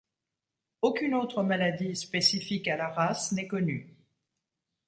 Aucune autre maladie spécifique à la race n'est connue.